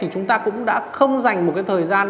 chúng ta cũng đã không dành một thời gian